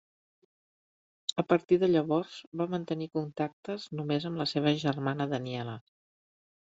A partir de llavors va mantenir contactes només amb la seva germana Daniela.